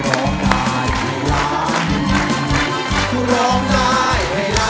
ร้องได้ร้องได้